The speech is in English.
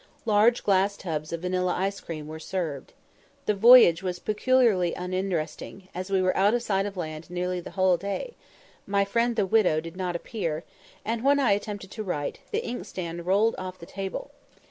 Large glass tubs of vanilla cream ice were served. The voyage was peculiarly uninteresting, as we were out of sight of land nearly the whole day; my friend the widow did not appear, and, when I attempted to write, the inkstand rolled off the table.